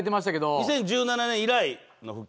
２０１７年以来の復帰。